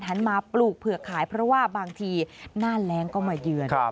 หันมาปลูกเผือกขายเพราะว่าบางทีหน้าแรงก็มาเยือน